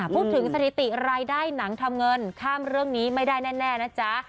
สถิติรายได้หนังทำเงินข้ามเรื่องนี้ไม่ได้แน่นะจ๊ะ